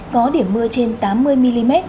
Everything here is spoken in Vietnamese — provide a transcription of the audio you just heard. có điểm mưa trên tám mươi mm